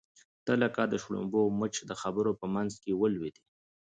ته لکه د شړومبو مچ د خبرو په منځ کې ولوېدې.